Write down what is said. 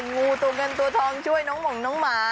งูตัวเงินตัวทองช่วยน้องหม่องน้องหมา